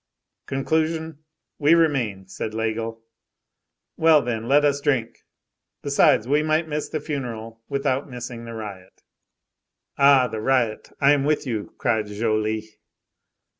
"Conclusion: we remain," said Laigle. "Well, then, let us drink. Besides, we might miss the funeral without missing the riot." "Ah! the riot, I am with you!" cried Joly.